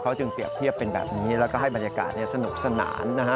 จึงเปรียบเทียบเป็นแบบนี้แล้วก็ให้บรรยากาศสนุกสนานนะฮะ